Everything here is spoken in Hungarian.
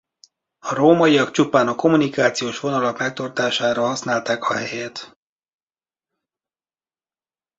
A rómaiak csupán a kommunikációs vonalak megtartására használták a helyet.